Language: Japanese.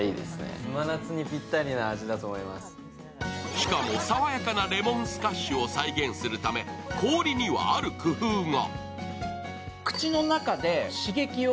しかも爽やかなレモンスカッシュを再現するため氷にはある工夫が。